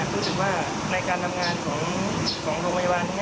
รู้สึกว่าในการทำงานของจงมายวานนี้